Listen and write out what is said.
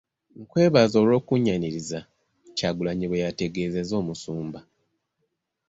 "Nkwebaza olw'okunnyaniriza.” Kyagulanyi bwe yategeezezza Omusumba.